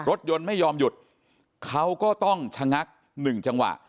รถยนต์ไม่ยอมหยุดเขาก็ต้องชะงักหนึ่งจังหวะ